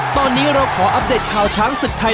ตอนนี้เราขออัปเดตข่าวช้างศึกไทย